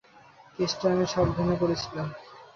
কেসটা আমি সমাধান করেছিলাম।